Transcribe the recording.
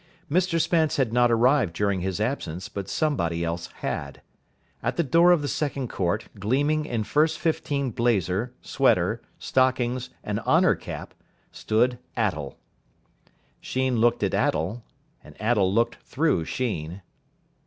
Mr Spence had not arrived during his absence, but somebody else had. At the door of the second court, gleaming in first fifteen blazer, sweater, stockings, and honour cap, stood Attell. Sheen looked at Attell, and Attell looked through Sheen.